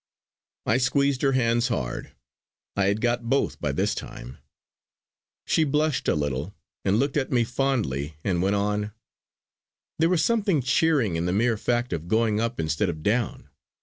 I squeezed her hands hard, I had got both by this time. She blushed a little and looked at me fondly and went on: "There was something cheering in the mere fact of going up instead of down.